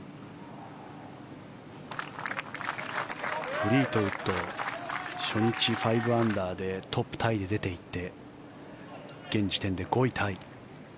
フリートウッド初日５アンダーでトップタイで出ていって現時点で５位タイ。